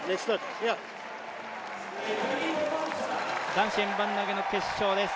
男子円盤投の決勝です。